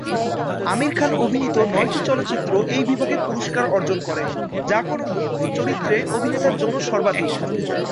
আমির খান অভিনীত নয়টি চলচ্চিত্র এই বিভাগে পুরস্কার অর্জন করে, যা কোন মুখ্য চরিত্রে অভিনেতার জন্য সর্বাধিক।